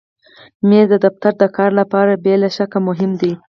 مېز د دفتر د کار لپاره بې له شکه مهم دی.